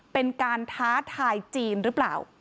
เป็นการท้าทายจีนหรือเปล่า